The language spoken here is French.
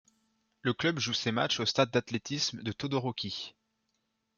Le club joue ses matchs au stade d'athlétisme de Todoroki.